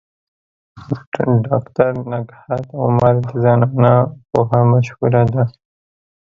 ډاکټر نگهت عمر د زنانو پوهه مشهوره ده.